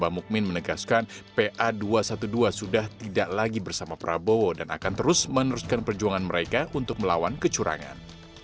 mukmin menegaskan pa dua ratus dua belas sudah tidak lagi bersama prabowo dan akan terus meneruskan perjuangan mereka untuk melawan kecurangan